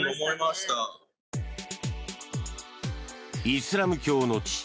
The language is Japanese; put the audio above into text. イスラム教の地